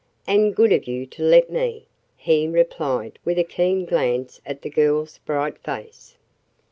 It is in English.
"And good of you to let me," he replied with a keen glance at the girl's bright face.